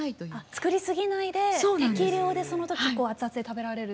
作りすぎないで適量でその時熱々で食べられる。